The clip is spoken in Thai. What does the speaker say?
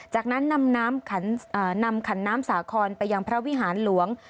จากนั้นนำขันน้ำสาครไปยังพระวิหารหลวง